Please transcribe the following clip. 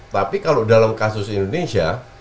tapi kalau dalam kasus indonesia